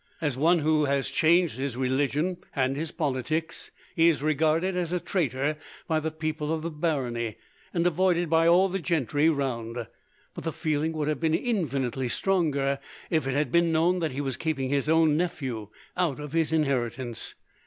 As one who has changed his religion and his politics, he is regarded as a traitor by the people of the barony, and avoided by all the gentry round; but the feeling would have been infinitely stronger, if it had been known that he was keeping his own nephew out of his inheritance.